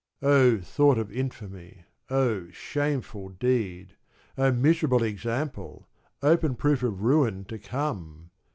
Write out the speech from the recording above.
Oh thought of infamy, oh shameful deed, oh miser able example, open proof of ruin to come